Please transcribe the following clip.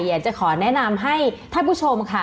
อยากจะขอแนะนำให้ท่านผู้ชมค่ะ